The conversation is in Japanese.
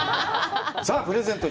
さあプレゼント